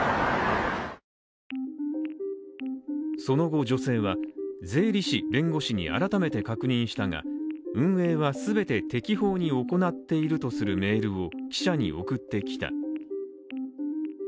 その後女性は、税理士・弁護士に改めて確認したが、運営は全て適法に行っているとするメールを記者に送ってきた。